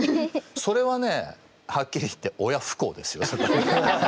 それはねはっきり言って親不孝ですよ。